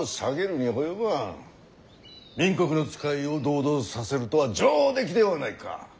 明国の使いを同道させるとは上出来ではないか。